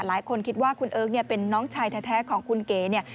หลายคนคิดว่าคุณเอิ๊กเนี่ยเป็นน้องชายแท้ของคุณเก๋เนี่ย